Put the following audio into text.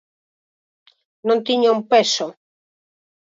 Non tiña un peso.